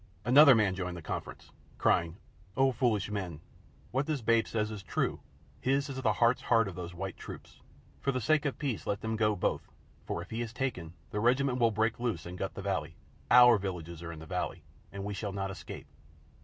Another man joined the conference, crying: "O foolish men! What this babe says is true. He is the heart's heart of those white troops. For the sake of peace let them go both, for if he be taken, the regiment will break loose and gut the valley. Our villages are in the valley, and we shall not escape.